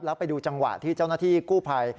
แล้วไปดูจังหวะที่เจ้าหน้าที่กู้ภัย